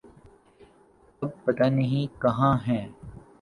اب پتہ نہیں کہاں ہیں۔